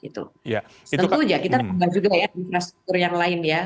tentu saja kita juga memiliki infrastruktur yang lain ya